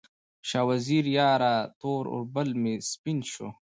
شاه وزیره یاره، تور اوربل مې سپین شو